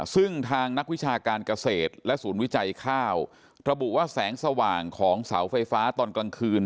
ซึ่งทางนักวิชาการเกษตรและศูนย์วิจัยข้าวระบุว่าแสงสว่างของเสาไฟฟ้าตอนกลางคืน